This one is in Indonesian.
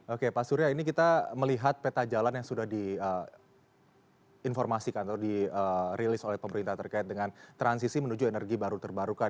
oke pak surya ini kita melihat peta jalan yang sudah diinformasikan atau dirilis oleh pemerintah terkait dengan transisi menuju energi baru terbarukan